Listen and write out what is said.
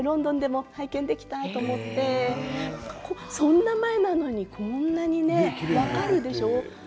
この先生の名前、ロンドンでも拝見できたと思ってそんな前なのにこんなにね分かるでしょう。